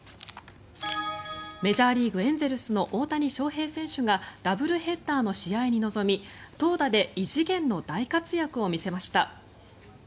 メジャーリーグエンゼルスの大谷翔平選手がダブルヘッダーの試合に臨み投打で異次元の大活躍を見せました。